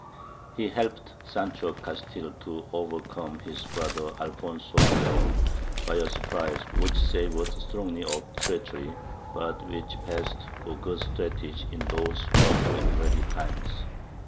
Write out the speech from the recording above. He helped Sancho of Castile to overcome his brother Alfonso of Leon, by a surprise which savoured strongly of treachery, but which passed for good strategy in those rough and ready times.